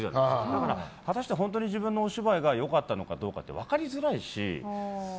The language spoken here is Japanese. だから果たして本当に自分のお芝居が良かったのかどうか分かりづらいし。